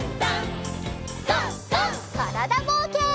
からだぼうけん。